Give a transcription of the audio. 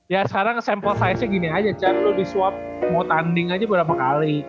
ya sekarang sampel size nya gini aja jangan lo diswap mau tanding aja berapa kali